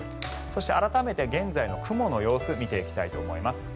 そして改めて現在の雲の様子を見ていきたいと思います。